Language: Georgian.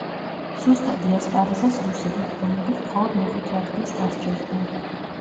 სუსტად იასპარეზეს რუსებმა, რომლებიც მხოლოდ მეხუთე ადგილს დასჯერდნენ.